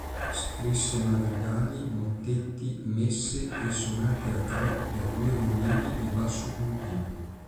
Scrisse madrigali, mottetti, messe, e sonate a tre per due violini e basso continuo.